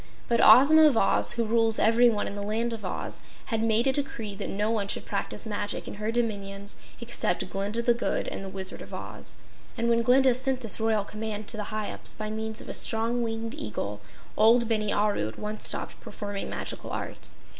But Ozma of Oz, who rules everyone in the Land of Oz, had made a decree that no one should practice magic in her dominions except Glinda the Good and the Wizard of Oz, and when Glinda sent this royal command to the Hyups by means of a strong winged Eagle, old Bini Aru at once stopped performing magical arts.